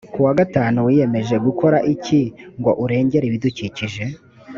ku wa gatanu wiyemeje gukora iki ngo urengere ibidukikije